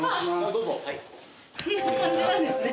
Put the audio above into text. どうぞこんな感じなんですね